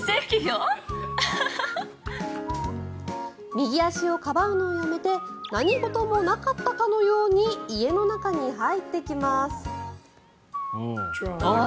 右足をかばうのをやめて何事もなかったかのように家の中に入ってきます。